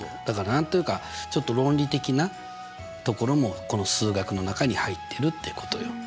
だから何と言うかちょっと論理的なところもこの数学の中に入ってるってことよ。